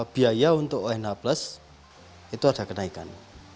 biaya untuk wh plus itu ada kenaikan